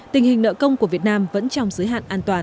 tình hình nợ công của việt nam vẫn trong giới hạn an toàn